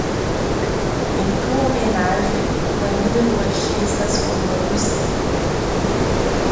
Em tua homenagem, uma linda Lua cheia está se formando no céu.